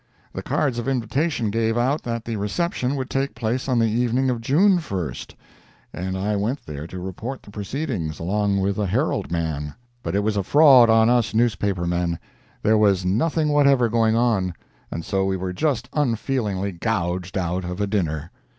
The cards of invitation gave out that the reception would take place on the evening of June 1st, and I went there to report the proceedings, along with a Herald man. But it was a fraud on us newspaper men—there was nothing whatever going on, and so we were just unfeelingly gouged out of a dinner.